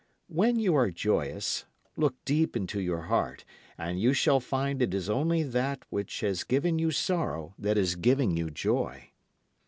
When you are joyous, look deep into your heart and you shall find it is only that which has given you sorrow that is giving you joy.